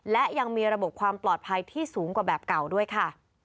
และยังมีระบบความปลอดภัยที่สูงกว่าแบบเก่าด้วยค่ะ